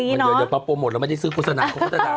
มันจะประโยชน์หมดแล้วไม่ได้ซื้อกุศนาคมก็จะดาวเนาะ